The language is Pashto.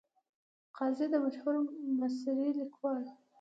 قاضي د مشهور مصري لیکوال .